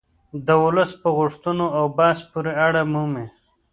د ولس په غوښتنو او بحث پورې اړه مومي